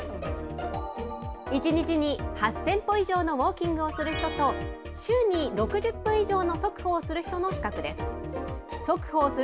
１日に８０００歩以上のウォーキングをする人と、週に６０分以上の速歩をする人の比較です。